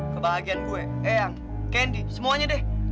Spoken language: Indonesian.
kebahagiaan gue eyang kendi semuanya deh